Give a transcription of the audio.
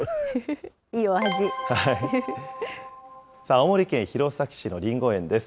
青森県弘前市のりんご園です。